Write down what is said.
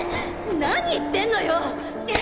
何言ってんのよ！